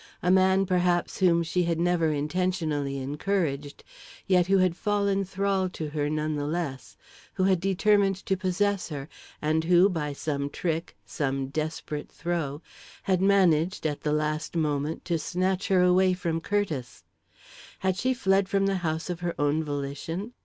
A man, perhaps, whom she had never intentionally encouraged, yet who had fallen thrall to her, none the less, who had determined to possess her, and who, by some trick, some desperate throw, had managed, at the last moment, to snatch her away from Curtiss? Had she fled from the house of her own volition?